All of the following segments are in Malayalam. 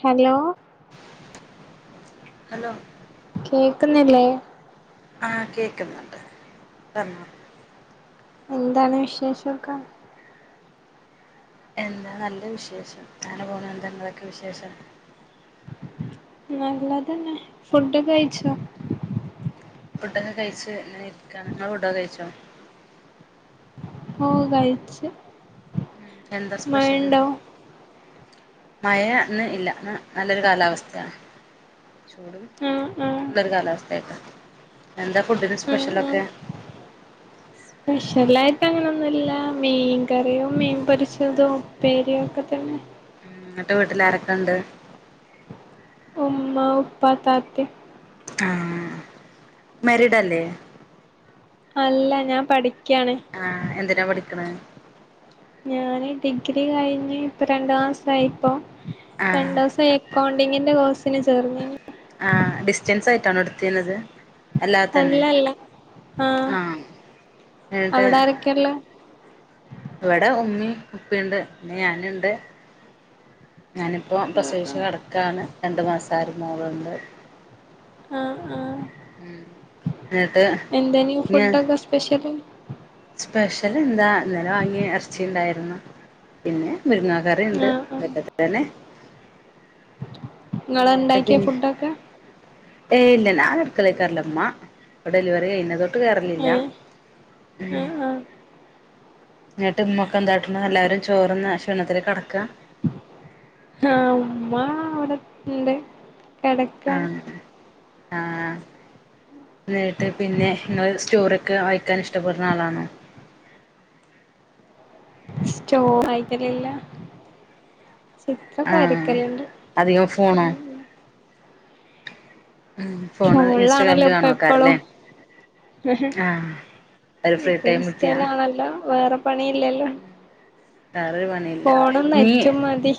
ഹലോ ഹലോ കേൾക്കുന്നില്ലേ ആഹ് കേൾക്കുന്നുണ്ട് പറഞ്ഞോ എന്താണ് വിശേഷൊക്കെ എന്താ നല്ല വിശേഷം അങ്ങനെ പോണ് ന്താ ഇങ്ങളൊക്കെ വിശേഷം നല്ലതന്നെ ഫുഡൊക്കെ കഴിച്ചോ ഫുഡൊക്കെ കഴിച്ച് ങ്ങനെ ഇരിക്കാണ്. ഇങ്ങള് ഫുഡൊക്കെ കഴിച്ചോ ഓഹ് കഴിച്ചു ഉം. എന്താ സ്പെഷ്യല് മയ ന്ന് ഇല്ല ന്ന് നല്ലൊരു കാലാവസ്ഥയാ ചൂടും ആഹ് ആഹ് [unintelligible] കാലവസ്ഥയായിട്ടാ. എന്താ ഫുഡ്ന് സ്പെഷ്യലൊക്കെ സ്പെഷലായിട്ട് അങ്ങനൊന്നുല്ല മീൻ കറിയും മീൻ പൊരിച്ചതും ഉപ്പേരിയോക്കെ തന്നെ ഇന്നിട്ട് വീട്ടിലാരൊക്കെണ്ട് ഉമ്മ ഉപ്പ താത്തിം ആഹ് മാരീഡ് അല്ലേ? അല്ല ഞാൻ പഠിക്യാണ് ആഹ് എന്തിനാ പഠിക്കണേ? ഞാന് ഡിഗ്രി കഴിഞ് ഇപ്പ രണ്ട്മാസയിപ്പോ ആ രണ്ടുസ ക്കൗണ്ടിങ്ങിന്റെ കോഴ്സിന് ചേർന്നീനി ആഹ് ഡിസ്റ്റൻസ് ആയിട്ടണൊ ഇട്ത്തിനത് എല്ലാത്തന്നെ അല്ലല്ല ആഹ് ആ എന്നിട്ട് ക്കർലാ ഇവിടെ ഉമ്മി ഉപ്പീണ്ട് പിന്നെ ഞാന്ണ്ട് ഞാനിപ്പോ ആഹ് ആഹ് പ്രസവിച്ച്കെടക്കാണ് രണ്ട്മാസയൊരു മോളുണ്ട് ആഹ് ആഹ് എന്നിട്ട് എന്തെനി ഫുഡൊക്കെ സ്പെഷ്യല് സ്പെഷ്യല്ന്താ ഇന്നലെ വാങ്ങിയ എറച്ചിണ്ടായിരുന്നു പിന്നെ മുരിങ്ങാകറിണ്ട് ആഹ് ഇതൊക്കെ തന്നെ ഇങ്ങളാണ്ടാക്കിയാ ഫുഡൊക്കെ ഏഹ് ഇല്ല ഞാ അടുക്കളേക്കാറലമ്മ ഡെലിവറി കഴിഞ്ഞത് ഏഹ് ഉം ഉം ന്നട്ട് ഇമ്മൊക്കെ എന്താട്ട്ണ് എല്ലാരും ചോറ്ന്ന് ക്ഷീണത്തില് കെടക്കാ ആഹ് ഉമ്മ അവിടെ ഉണ്ട് ആഹ് ആഹ് എന്നട്ട് പിന്നെ നിങ്ങള് സ്റ്റോറ് ക്കെ വായിക്കാൻ ഇഷ്ടപ്പെടുന്നആളാണോ സ്റ്റോറാ വായിക്കലല്ല ആഹ് അധികംഫോണോ ഉം ഫോണിലാണല്ലോ ഇപ്പഎപ്പളും ആഹ് ഒരു ഫ്രീ ഇപ്പ ടൈം കിട്ടിയാ ഇൻസ്റ്റയിലാണല്ലോ വേറെ പണിഇല്ലല്ലോ വേറൊരു പണിയില്ല നീ നെറ്റും മതി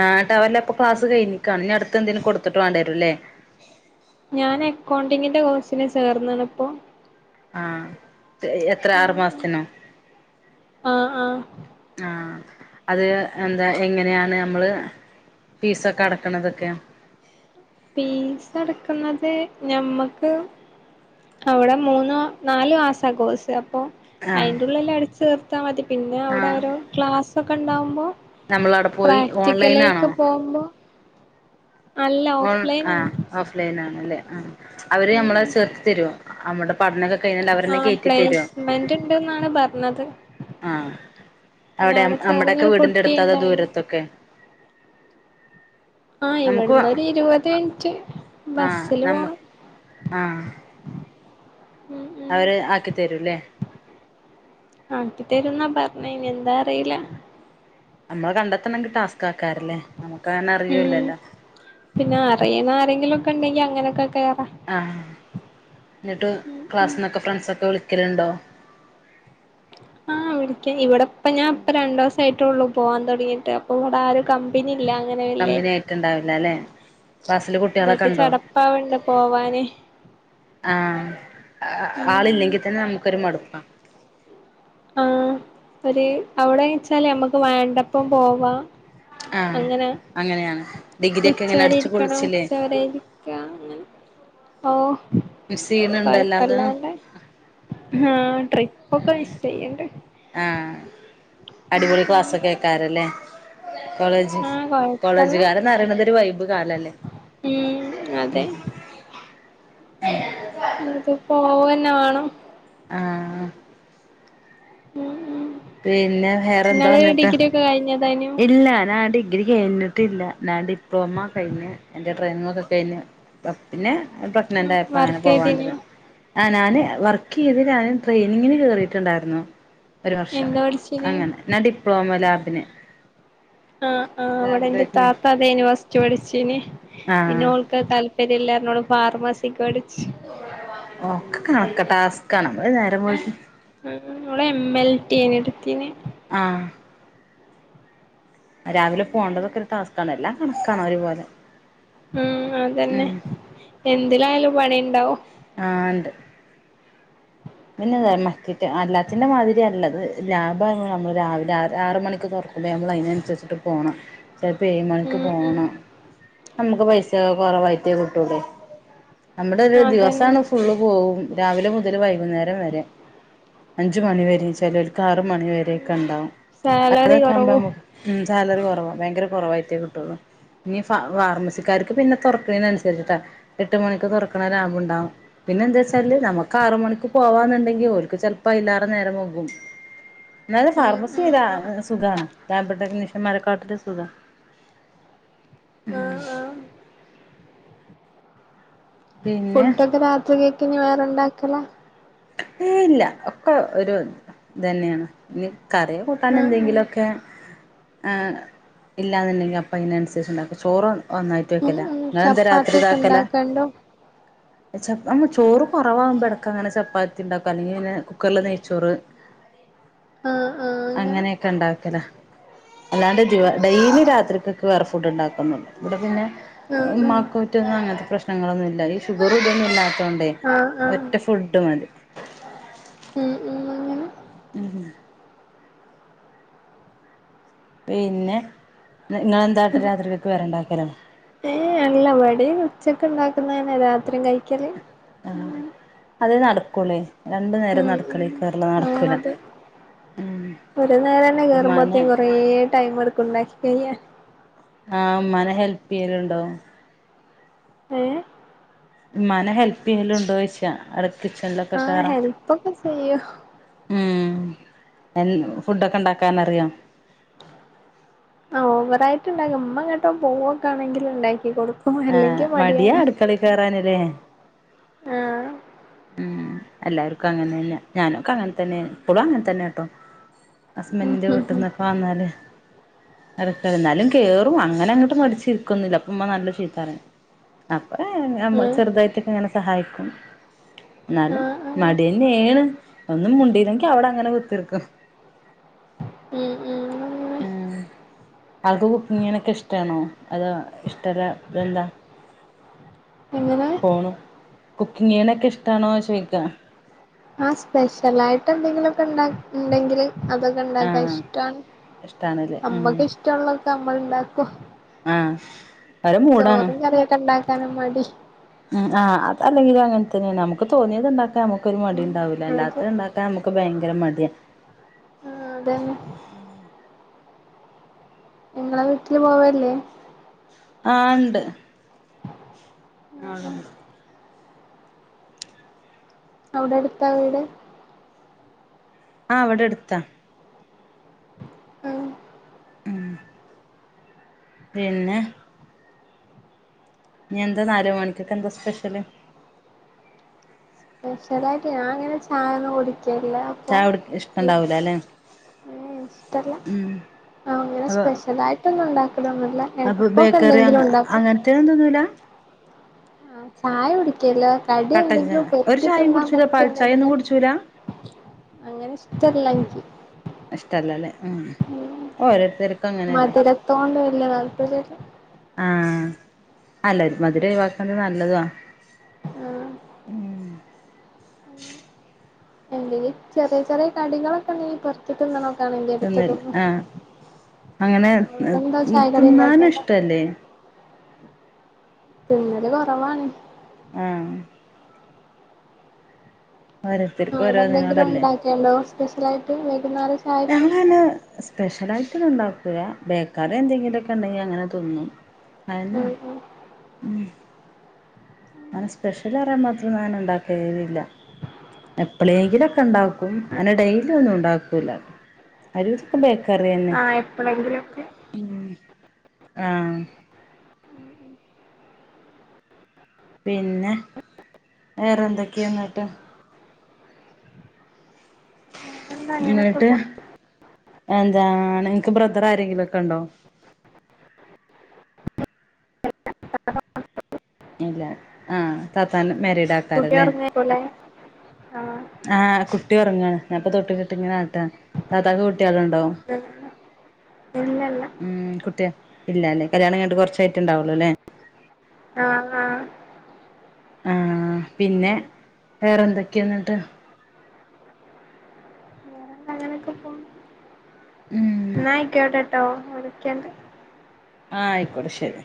ആഹ് ടവലപ്പ ക്ലാസ്സ്‌കഴിഞ്ഞിക്കാണ് ഇനി അടുത്തെന്തെനും കൊടുത്തിട്ട്‌ വാണ്ടിരൂല്ലേ ഞാന് അക്കൗണ്ടിങ്ങിന്റെ കോഴ്സിന് ചേർന്ന്ണ് ഇപ്പോ ആഹ് എത്ര ആറു മാസ്ത്തിനോ ആഹ് ആഹ് ആഹ് അത് എന്താ എങ്ങനെയാണ് നമ്മൾ പീസൊക്കെ അടക്കണതൊക്കെ ഫീസ്അടക്കുന്നത് ഞമ്മക്ക് അവിടെ മൂന്നു നാലുമാസ കോഴ്സ് അപ്പൊ ആഹ് അയിന്റെള്ളില് അടച്ചു തീർത്താമതി പിന്നെ അവിടെ ആഹ് ഓരോ ക്ലാസ്സൊക്കെ ഉണ്ടാവുമ്പോ നമ്മളവിടെ പോയി പ്രാക്ടിക്കലേക്ക് ഓൺലൈനാണോ പോകുമ്പോ അല്ല ഓൺ ഓഫ്ലൈൻ ആ അല്ല ഓഫ്‌ലൈൻ ആണല്ലേ ആ അവര് ഉം നമ്മളെ ഉം ചേർത്തിതരോ നമ്മുടെ പഠനക്കെ കഴിഞ്ഞാണ്ട് അവരന്നെകേറ്റി തരോ ട്ട്ണ്ട്ന്നാണ് പർഞ്ഞത് ആഹ് പിന്നെ അവിടെ നമ്മുടെയൊക്കെ ചേർന്നൊരു വീടിന്റെ അടുത്ത അതോ കുട്ടിണ്ടായിന് ദൂരത്തൊക്കെ ആഹ് നമുക്ക് ഇവട്ന്നൊരു ഇരുപത് മിനിറ്റ് ആഹ് ബസ്സില് നമ്മ പോണം ആഹ് നാനാ അവര് ആക്കി തരൂല്ലേ ആക്കി തരുംന്നാ പർഞ്ഞെ ഇനിഎന്താ നമ്മള് കണ്ടെത്തണങ്ക ടാസ്ക്കാക്കാരല്ലേ നമുക്കങ്ങനെ ഉം പിന്നെ അറിയണ ആരെങ്കിലൊക്കെണ്ടെങ്കി അങ്ങനൊക്കെ കേറാ ആഹ് ന്നട്ട് ഉം ഉം ക്ലാസ്സിന്നൊക്കെ ഫ്രണ്ട്സൊക്കെ വിളിക്കലുണ്ടോ ആഹ് വിളിക്ക ഇവിടെ ഇപ്പ ഞാൻ ഇപ്പ രണ്ടോസായിട്ടൊള്ളു പോവാൻ തൊടങ്ങീട്ട് അപ്പൊ ഇവിടെ ആരും കം പിനില്ല അങ്ങനെ വല്ലേ കമ്പനി ആയിട്ടുണ്ടാവില്ല അല്ലെ ക്ലാസ്സില് കുട്ടികളൊക്കെ ഇന്നട്ട് ഉണ്ടോ ചടപ്പാവണ്ട് പോവാന് ആഹ് ഉം ആളില്ലെങ്കിതന്നെ നമുക്കൊരു മടുപ്പാ ആഹ് ഒര് അവിടെ വെച്ചാല് നമ്മക്ക് വേണ്ടപ്പംപോവാ ആഹ് അങ്ങനെ അങ്ങനെയാണ് ഡിഗ്രി ഒക്കെ ഇങ്ങനെ ഉച്ചവരെ അടിച്ചു ഇരിക്കണ പൊളിച്ചില്ലേ ഉച്ചവരെ ക്കാ അങ്ങനെ ഓ സീനുണ്ടല്ലാതെ കൊഴപ്പല്ലാണ്ടെ ആഹ് ട്രിപ്പൊക്കെ മിസ്യ്യണ്ട് ആഹ് അടിപൊളി ഉം ക്ലാസ്സൊകേക്കാരല്ലേ കോളേജ് ആഹ് കൊഴപ്പല്ല കോളേജുകാരന്ന് അറിയണത ഒരു വൈബ് കാലല്ലേ ഉം അതെ അത് പോവന്നെ വേണം ആഹ് ഉം ഉം പിന്നെ വേറെ എന്താ വന്നിട്ട് കഴിഞ്ഞതാന് ഇല്ല ഞാൻ ഡിഗ്രി കഴിഞ്ഞിട്ടില്ല ഞാൻ ഡിപ്ലോമ കഴിഞ് എ്ന്റെ ട്രെയിനിങ് ഒക്കെ കഴിഞ്ഞ് പിന്നെ പ്രഗ്നറായപ്പ അങ്ങനെ വർക്ക് ചെയ്തേനു പോവാണ്ടത് ആഹ് ഞാന് വർക്ക് ചെയ്തിൽ ഞൻ ട്രെയിനിങ്ങിന് കേറിയിട്ടുണ്ടായിരുന്നു ഒരു വർഷം എന്താ പഠിച്ചീന് അങ്ങനെ ഞാൻ ഡിപ്ലോമ ലാബിന് ആഹ് ആ്ഹ് അവിടെ എന്റെ രാവിൽത്തേക്ക് താത്ത അതെന് വസ്റ്റ് പഠിച്ചീന് ആഹ് പിന്നെ താല്പര്യ ഇല്ലാരോട് ഫാർമസിക്ക് പഠിച്ചച്ച് ഒക്കെ കണക്ക ടാസ്ക്ണമ്മ നേരം പോയി ഉം നമ്മടെ എം എൽ ടി അനടുത്തിന് ആഹ് രാവിലെ പോകേണ്ടതൊക്കെ ഒരു ടാസക്കാണ് എല്ലാം കണക്കാണ അവ ഒരുപോലെ ഉം അതന്നെ ഉം എന്തിലായാലും പണി ഉണ്ടാവും ആഹ് ഉണ്ട് പിന്നെത മക്കിറ്റ് അല്ലാത്തിന്റെ മാതിരിയല്ലത് ലാഭമായി നമ്മള് രാവിലെ ആറ് മണിക്ക് തറ [unintelligible] നമ്മൾ അതിനനുസരിച്ചിട്ട് പോകണം ചിലപ്പോ ഏഴ് മണിക്ക് ഉം ഉം പോണം നമ്മുക്ക് പൈസ കൊറവായിത്തേ കിട്ടൂലേ നമ്മുടെ ഒരു അതന്നെ ദിവസമാണ് ഫുള്ള് പോകവും രാവിലെ മുതൽ വൈകുന്നേരം വരെ അഞ്ച് മണിവ വര ചിലഴ ആറ് മണിവ വരെയൊക്കെ ഉണ്ടാവും സാലറി അതൊക്കെ ആകുമ്പോൾ കൊറവും നമുക്ക് ഉം സാലറി കുറവാ ഭയങ്കര കുറവായിട്ടയ കിട്ടൂ ഇനി ഫ ഫാർമസിക്കാർക്ക് പിന്നെ തുറക്കണന് അനുസരിച്ചിട്ടാ എട്ട് മണിക്ക് തുറക്കണ ലാഭം ഉണ്ടാവും പിന്നെ എന്താ വെച്ചാല് നമുക്ക് ആറു മണിക്കൂ പോവാന്നുണ്ടെങ്കി ഒരിക്കക്ക് ചെപ്പപ്പോ അല്ലാെ നേരം പോകും എന്നല് ഉം ഉം ഫാർമസിയില ആഹ് സുഖമാണ് ലാബ് ടെക്നീഷ്യൻ മാലക്കാട്ടെ സുഖം ഉം ആഹ് പിന്നെ ഫുഡ ഒക്കെ രാത്രി കേക്ക ഇനി വേറെണ്ടാക്കല ഇല്ല ഒക്കെ ഒരു ഇതന്നെയാണ് ഇനി കറിയെ കൂട്ടൻ ആഹ് ആഹ് എന്തെങ്കിലുമൊക്കെ ഒക്കെ ഇല്ലെന്നുണ്ടെങ്കിൽ അപ്പം ഇതിനന അനുസരിച്ചുണ്ടാക്കുക ചോറ് ഒന്നായിട്ട് ഉം വെക്കല ഉം ഇങ്ങനെന്താ രാത്രി ചപ്പാത്തിയൊക്കെ ഇതാക്കല ഉണ്ടാക്കണ്ടോ പ്പ ചോറ് കുറവാകുമ്പോടക്ക അങ്ങനെ ചപ്പാത്തി ത്തി ഉണ്ടാക്കുക അല്ലങ്കിൽ പിന്നെ കുക്കറിൽ നെയ്ച്ചോറ് ആഹ് ആഹ് അങ്ങനെ അങ്ങനെയൊക്കെ ഉണ്ടാക്കല അല്ലാണ്ട് ജ ഡെയിലി രാത്ക്ക്ക്കെ സ്ക്വയർ ഫുഡ് ഉണ്ടാക്കുന്നുണ്ട് ഇവിടെ പിന്നെ ആഹ് മാക്ക ആഹ് റ്റൊന്നും അങ്ങനത്തെ പ്രശ്നങ്ങളൊന്നുമ ഇല്ല ഈ ഷുഗർ ഇടൊന്നും ഇല്ലാത്ത കൊണ്ടേ ആഹ് ആഹ് ഒറ്റ ഫുഡും അതി ഉം ഉം ഉംഹ് പിന്നെ നിങ്ങെന്തായിട്ട് രാത്രികൾക്ക് വേറെണ്ടാക്കല്ലോ ഏയ് അല്ല പടി ഉച്ചൊക്കെ ഉണ്ടാക്കുന്ന തനെ രാത്രിയും കഴിക്കല് ആഹ് അതെ നടക്കളേ രണ്ടു നേരം ഉം ഉം നടക്കളേ കേറല ആഹ് നടക്കൂല അതെ ഉം ഒരു നേരം തന്നെ ഉമ്മാനെ കേറുമ്പോത്തേും കൊറേ ടൈം എടുക്ക ഉണ്ടാക്കിഴിയ ആഹ് അമ്മാനെ ഹെൽപ് ചെയ്യലുണ്ടോ ഏഹ് മ്മാനെ ഹെൽപ്പെയ്യല്ണ്ടോയ്ച്ച അവിടെ കിച്ചണിലൊക്കെ ആഹ് കേറാ ഹെൽപ്പൊക്കെ ചെയ്യും ഉം ഫുഡൊക്കെ ഇണ്ടാക്കാനറിയോ ആഹ് ഓവറായിട്ട്ണ്ടാക്ക ഉമ്മ എങ്ങോട്ടോ പോവൊക്ക ആണെങ്കില് ഇണ്ടാക്കി കൊടുക്ക ആഹ് മടിയാ അടുക്കളീ കേറാന് ല്ലേ ആഹ് ഉം എല്ലാർക്കും അങ്ങനെന്നെ ഞാനൊക്കെ അങ്ങൻതന്നേണ് ഇപ്പളും അങ്ങൻ തന്നെട്ടോ ഉം ഹസ്ബന്റിന്റെ ഉം ഉം വീട്ടിന്നൊക്കെ വന്നാല് എടക്ക എന്നാലും കേറും അങ്ങനെ അങ്ങോട്ടും മടിച്ചിരിക്കൊന്നില്ല അപ്പ ഇമ്മ നല്ല ചീത്താറ അപ്പൊ ആഹ് ചെറുതായിട്ടൊക്കെ ഇങ്ങനെ സഹായിക്കും എന്നാലും ആഹ് ആഹ് മടന്നെ ണ് ഒന്നും മുണ്ടീല്ലെങ്കി അവിടെ അങ്ങനെ കുത്തിർക്കും ഉം ഉം ഉം ആൾക്ക് കുക്കിങ്ങിനൊക്കെ ഇഷ്ടാണോ അതോ ഇഷ്ടല്ലതെന്താ എങ്ങനെ കുക്കിങ്ങ് ചെയ്യിണെ ഇഷ്ടാണോ ചോയ്ക്കാ ആഹ് സ്പെഷ്യലായിട്ടെന്തെങ്കിലൊക്കെണ്ട ഇണ്ടെങ്കില് അതൊ ക്കണ്ടാക്കാൻ ആഹ് ഇഷ്ടാണ് ഇഷ്ടാണല്ലേ ഉം അമ്മക്ക് ഇഷ്ടൊള്ളതൊക്കെ അമ്മള് ഇണ്ടാക്കും ആഹ് ഓരോ മൂടാണ് ചോറും കറിയൊക്കെ ഇണ്ടാക്കാനും മടി ഉം ആഹ് അല്ലെങ്കിലും അങ്ങൻ തന്നേണ് നമുക്ക് തോന്നിയത്ണ്ടാക്കാം നമു ക്കൊരു ഉം മടിണ്ടാവൂല അത് അല്ലാത്തണ്ടാക്കാൻ നമുക്ക് ഭയങ്കര മടിയാ ആഹ് അതന്നെ ഇങ്ങളെ വീട്ടില് പോവല്ലേ ആഹ് ണ്ട് ആഹ് ആഹ് അവടടുത്താ വീട്? ആഹ് ഇവിടെ അടുത്താ ഉം ഉം പിന്നെ ഇഞ്ഞിയെന്താ നാല് മണിക്കൊക്കെന്താ സ്പെഷ്യല് സ്പെഷ്യലായിട്ട് ഞാൻ അങ്ങനെ ചായൊന്നും കുടിക്കൽല്ല ചായുട്ക്ക് ഇഷ്ടണ്ടാവൂല ല്ലെ ഉം ഇഷ്ടല്ല ആങ്ങനെ അപ്പൊ സ്പെഷ്യലായ്ട്ടൊന്നും ഇണ്ടാക്കലൊന്നുല്ല എട്ക്കൊക്കെ എന്തെങ്കിലും ഇണ്ടാക്കും [unintelligible] തിന്നൂലാ ആഹ് ചായ കുടിക്കല്ല കടി കട്ടൻ എന്തെങ്കിലും ചായ ഒരു ചായയും പർക്കിത്തിന്നാൻ കുടിച്ചൂല പാൽ ചായ ഒന്നും പറ്റ്യേന്തെങ്കിലും കുടിച്ചൂല അങ്ങനെഷ്ടല്ല ഇൻക്ക് ഇഷ്ടല്ലല്ലേ ഉം ഓരോരുത്തർക്കങ്ങനെല്ലേ മധുരത്തോണ്ട് വല്യ താല്പര്യല്ല ആഹ് അല്ല മധുരൊഴിവാക്കുന്നത് നല്ലതു ആ ആഹ് എന്തെലും ചെറിയ ചെറിയ കടികളൊക്കെണ്ടെങ്കി പൊർക്കി ത്തിന്ന്ണൊക്കാണെങ്കി എടുത്തു തിന്നൽ തിന്നും ആഹ് അങ്ങനെ അവിടെന്താ ചായക്കടി തിന്നാനും ഇണ്ടാക്കണ്ട ഇഷ്ടല്ലേ തിന്നല് കുറവാണ് ആഹ് ആഹ് ഓരോരുത്തർക്കും അവിടെന്തെങ്കിലും ഓരോന്നിനോടല്ലേ ഇണ്ടാക്കിയണ്ടോ സ്പെഷ്യലായിട്ട് വൈകുന്നേരം ചായക്ക് ഞങ്ങളതിന് സ്പെഷ്യലായിട്ടൊന്നും ഇണ്ടാക്കൂല ബേക്കറി എന്തെങ്കിലൊക്കെണ്ടെങ്കിൽ അങ്ങനെ തിന്നും അൻ ഉം ഉം ഉം അങ്ങനെ സ്പെഷ്യല്റയാൻ മാത്രന്നും അങ്ങനെ ഇണ്ടാക്കലില്ല എപ്പളേങ്കിലൊക്കെ ഇണ്ടാക്കും അങ്ങനെ ഡെയിലി ഒന്നും ഉണ്ടാക്കൂല്ല [unintelligible] ബേക്കറി തന്നെ ആഹ് എപ്പളെങ്കിലൊക്കെ ഉം ആഹ് പിന്നെ വേറെന്തൊക്കെയാ ന്നട്ട് എന്താ അങ്ങനൊക്കെ ന്നട്ട് പോ എന്താ നിനക്ക് ബ്രദർ ആരെങ്കിലൊക്കെണ്ടോ അ.... ഇല്ല ആഹ് തത്താൻ മരീഡ് ആ. [unintelligible] ആഹ് കുട്ടി ഉറങ്ങാ ഞാപ്പൊ തൊട്ടി കെട്ടിട്ടാട്ടാ താത്താക്ക് കുട്ടികളൊണ്ടാവൊ എന്താ ഇല്ലല്ല ഉം കുട്ടിയ ഇല്ല അല്ലെ കല്യാണം കയിഞ്ഞിട്ട് കുറച്ചായിട്ട് ഉണ്ടാവുള്ളു അല്ലേ. ആഹ് ആഹ്. ആ പിന്നെ അങ്ങനെ വേറെന്തൊക്കെയാ എന്നിട്ട്. വേറെന്താ ഉം എന്നായിക്കോട്ടെ ട്ടോ വിളിക്കാം. ആഹ് ആയിക്കോട്ടെ ശരി.